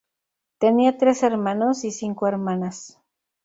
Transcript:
Tenía tres hermanos y cinco hermanas.